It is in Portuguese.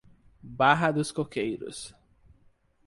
Barra dos Coqueiros